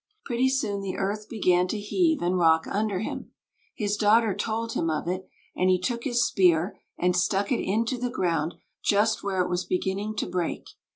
Pretty soon the earth began to heave and rock under him. His daughter told him of it, and he took his spear and stuck it into the ground just where it was beginning to break.